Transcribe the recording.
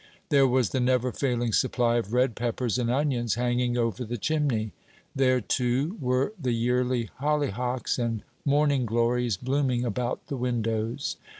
There was the never failing supply of red peppers and onions hanging over the chimney. There, too, were the yearly hollyhocks and morning glories blooming about the windows.